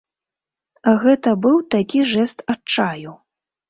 Гэта быў такі жэст адчаю.